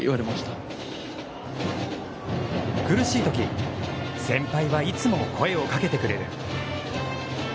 苦しいとき、先輩はいつも声をかけてくれる。